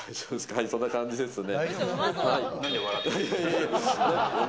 はい、そんな感じですね。